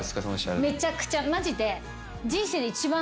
めちゃくちゃマジで。